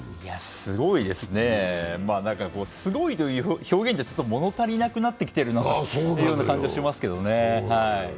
すごいですね、すごいという表現じゃちょっと物足りなくなってきてるような感じしますけどね。